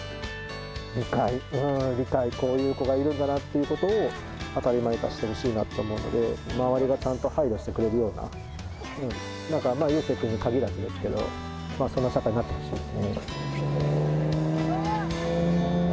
理解、理解、こういう子がいるんだなということを当たり前にしてほしいなと思うので、周りがちゃんと配慮してくれるような、なんか、悠青君に限らずですけど、そんな社会になってほしいですね。